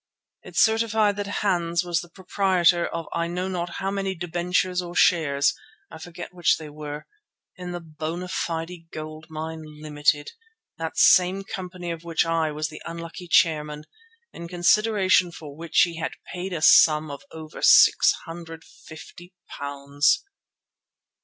It certified that Hans was the proprietor of I know not how many debentures or shares, I forget which they were, in the Bona Fide Gold Mine, Limited, that same company of which I was the unlucky chairman, in consideration for which he had paid a sum of over six hundred and fifty pounds.